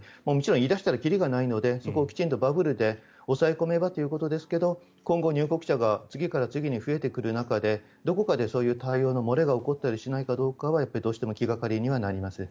言い出したらきりがないのでそこをバブルで抑え込めばということですけど今後、入国者が次から次に増えていく中でどこかで、そういう対応の漏れが起こったりしないかは気掛かりになります。